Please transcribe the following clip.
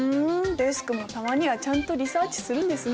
デスクもたまにはちゃんとリサーチするんですね！